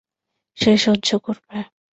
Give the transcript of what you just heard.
সে সহ্য করবে।